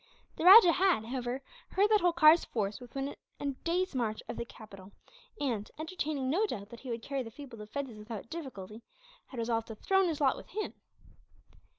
The rajah had, however, heard that Holkar's force was within a day's march of the capital and, entertaining no doubt that he would carry the feeble defences without difficulty, had resolved to throw in his lot with him.